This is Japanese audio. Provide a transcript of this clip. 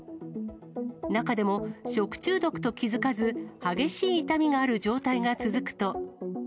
中でも食中毒と気付かず、激しい痛みがある状態が続くと。